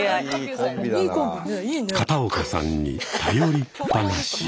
片岡さんに頼りっぱなし。